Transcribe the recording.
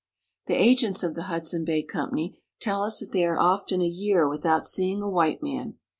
The agents of the Hudson Bay Company tell us that they are often a year without seeing a white man.